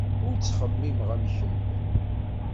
Ur ttxemmimeɣ am kemm.